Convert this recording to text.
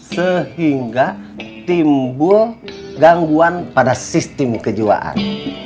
sehingga timbul gangguan pada sistem kejiwaan